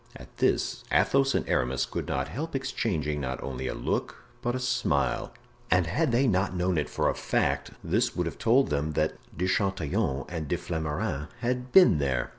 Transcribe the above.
At this Athos and Aramis could not help exchanging not only a look but a smile; and had they not known it for a fact, this would have told them that De Chatillon and De Flamarens had been there.